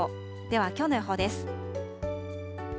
ではきょうの予報です。